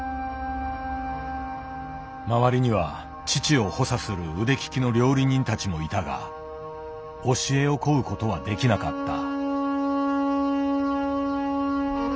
周りには父を補佐する腕利きの料理人たちもいたが教えを請うことはできなかった。